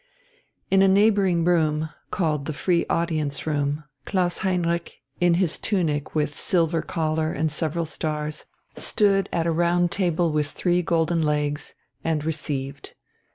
In a neighbouring room, called the "Free Audience Room," Klaus Heinrich, in his tunic with silver collar and several stars, stood at a round table with three golden legs, and received.